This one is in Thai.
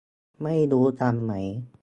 ไม่รู้ทันไหม